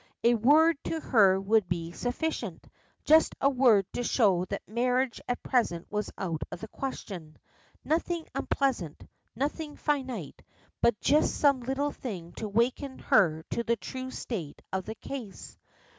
A word to her would be sufficient. Just a word to show that marriage at present was out of the question. Nothing unpleasant; nothing finite; but just some little thing to waken her to the true state of the case.